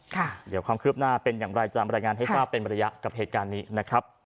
เดี๋ยวความคืบหน้าเป็นอย่างไรจะบรรยายงานให้ทราบเป็นระยะกับเหตุการณ์นี้นะครับ